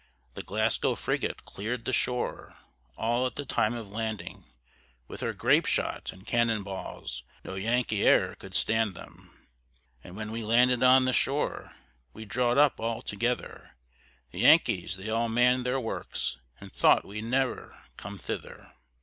The Glasgow frigate clear'd the shore, All at the time of landing, With her grape shot and cannon balls, No Yankee e'er could stand them. And when we landed on the shore, We draw'd up all together; The Yankees they all mann'd their works, And thought we'd ne'er come thither.